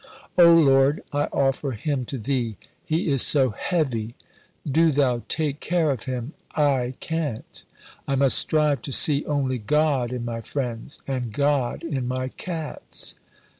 "O Lord I offer him to Thee. He is so heavy. Do Thou take care of him. I can't." "I must strive to see only God in my friends, and God in my cats."